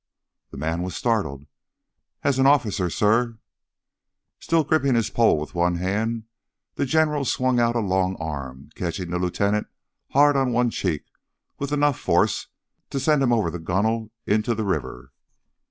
The man was startled. "As an officer, suh " Still gripping his pole with one hand, the General swung out a long arm, catching the lieutenant hard on one cheek with enough force to send him over the gunwale into the river.